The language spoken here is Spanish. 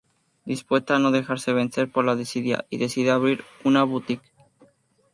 Dispuesta a no dejarse vencer por la desidia, decide abrir una boutique.